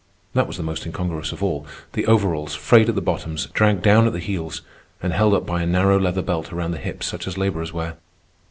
That was the most incongruous of all—the overalls, frayed at the bottoms, dragged down at the heels, and held up by a narrow leather belt around the hips such as laborers wear.